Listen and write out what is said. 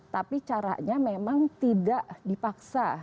tapi caranya memang tidak dipaksa